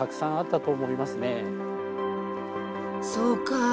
そうか。